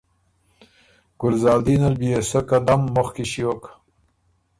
ګلزادین ال بيې سۀ قدم مُخکی ݭیوک